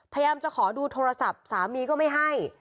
พยายามจะขอดูโทรศัพท์สามีก็ไม่ให้